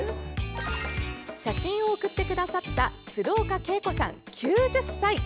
写真を送ってくださった鶴岡馨子さん、９０歳。